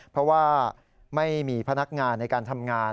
เพราะว่าไม่มีพนักงานในการทำงาน